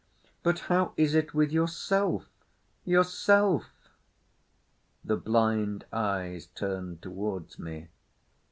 "But how is it with yourself—yourself?" The blind eyes turned towards me.